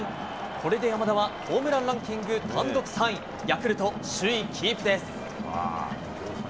これで山田はホームランランキング単独３位ヤクルト首位キープです。